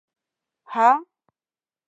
_هه!